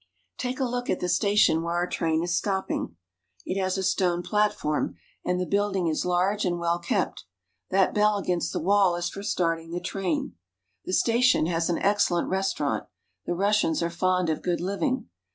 Take a look at the station where our train is stopping. It has a stone platform, and the building is large and well kept ; that bell against the wall is for starting the train. The station has an excellent restaurant. The Russians are fond of good living.